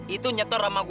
itu nyetor sama gue